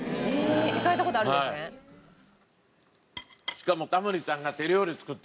しかもタモリさんがえ！